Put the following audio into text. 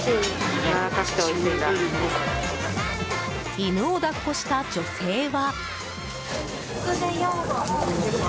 犬を抱っこした女性は。